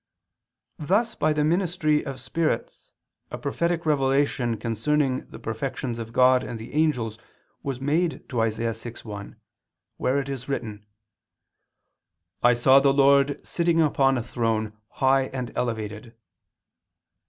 Thus by the ministry of spirits a prophetic revelation concerning the perfections of God and the angels was made to Isa. 6:1, where it is written, "I saw the Lord sitting upon a throne high and elevated."